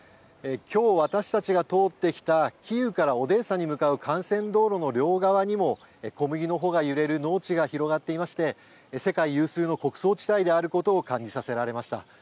きょう私たちが通ってきたキーウからオデーサに向かう幹線道路の両側にも小麦の穂が揺れる農地が広がっていまして世界有数の穀倉地帯であることを感じさせられました。